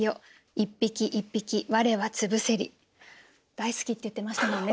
大好きって言ってましたもんね